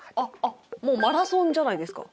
もうマラソンじゃないですか。